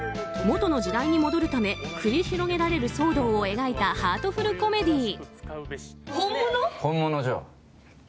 元の時代に戻るため繰り広げられる騒動を描いたハートフルコメディー。